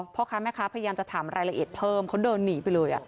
พ่อค้าแม่ค้าพยายามจะถามรายละเอียดเพิ่มเขาเดินหนีไปเลย